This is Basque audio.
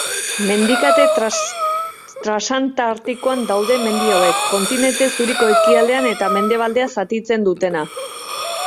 Mendikate transantartikoan daude mendi hauek, kontinente zuriko ekialdea eta mendebaldea zatitzen dutena.